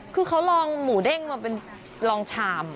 คือเขาลองหมูเด้งมาเป็นลองชาม